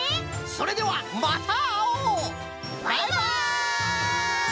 それではまたあおう！バイバイ！